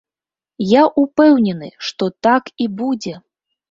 Я ўпэўнены, што так і будзе!